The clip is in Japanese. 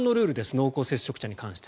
濃厚接触者に関して。